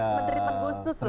teripan khusus lah ya